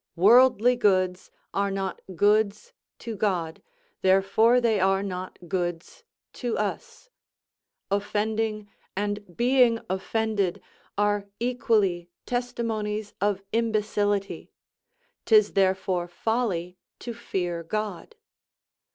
Worldly goods are not goods to God; therefore they are not goods to us; offending and being offended are equally testimonies of imbecility; 'tis therefore folly to fear God.